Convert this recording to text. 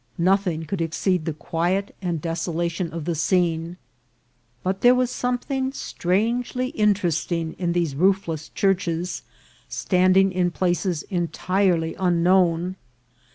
Nothing could exceed the quiet and desolation of the scene ; but there was something strangely interesting in these roofless churches, standing in places entirely unknown.